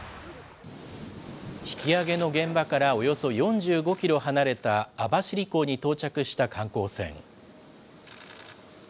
引き揚げの現場からおよそ４５キロ離れた、網走港に到着した観光船。